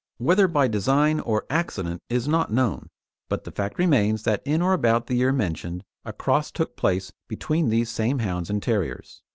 Whether by design or accident is not known, but the fact remains that in or about the year mentioned a cross took place between these same hounds and terriers.